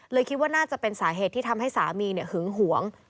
คิดว่าน่าจะเป็นสาเหตุที่ทำให้สามีหึงหวง